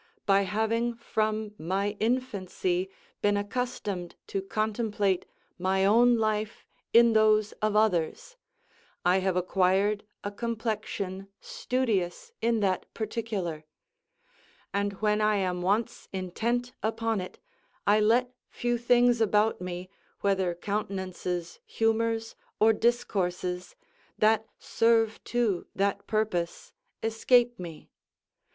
By having from my infancy been accustomed to contemplate my own life in those of others, I have acquired a complexion studious in that particular; and when I am once interit upon it, I let few things about me, whether countenances, humours, or discourses, that serve to that purpose, escape me.